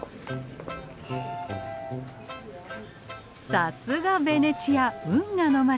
さすがベネチア運河の街。